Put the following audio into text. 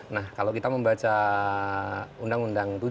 nah kalau kita membaca undang undang tujuh